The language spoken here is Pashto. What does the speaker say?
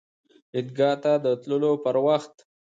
عیدګاه ته د تللو پر وخت